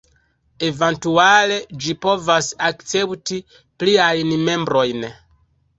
Eventuale ĝi povas akcepti pliajn membrojn.